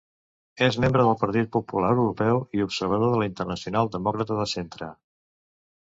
És membre del Partit Popular Europeu i observador de la Internacional Demòcrata de Centre.